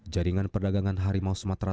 jaringan perdagangan harimau sumatera